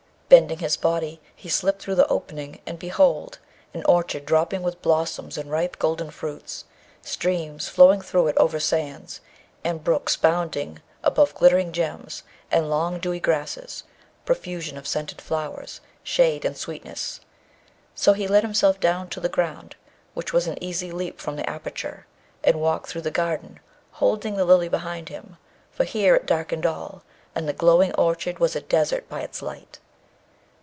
Bending his body, he slipped through the opening, and behold, an orchard dropping blossoms and ripe golden fruits, streams flowing through it over sands, and brooks bounding above glittering gems, and long dewy grasses, profusion of scented flowers, shade and sweetness. So he let himself down to the ground, which was an easy leap from the aperture, and walked through the garden, holding the Lily behind him, for here it darkened all, and the glowing orchard was a desert by its light.